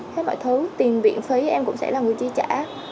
hết mọi thứ tìm viện phấy em cũng sẽ là người chi trả